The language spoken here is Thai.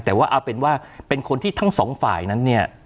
แต่ว่าเอาเป็นว่าเป็นคนที่ทั้งสองฝ่ายนั้นเนี่ย